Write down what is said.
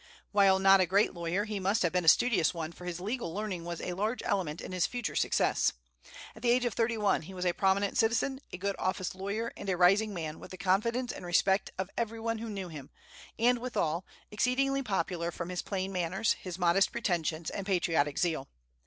While not a great lawyer, he must have been a studious one, for his legal learning was a large element in his future success. At the age of thirty one he was a prominent citizen, a good office lawyer, and a rising man, with the confidence and respect of every one who knew him, and withal, exceedingly popular from his plain manners, his modest pretensions, and patriotic zeal.